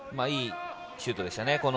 いいシュートでしたね。